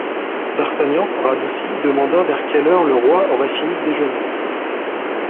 D'Artagnan, radouci, demanda vers quelle heure le roi aurait fini de déjeuner.